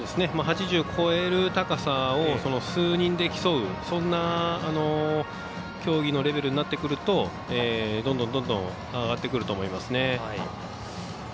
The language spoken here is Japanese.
８０超える高さを数人で競うそんな競技のレベルになってくるとどんどん上がってくると思いますね。